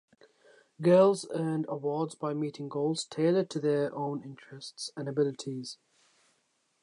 Girls earned awards by meeting goals tailored to their own interests and abilities.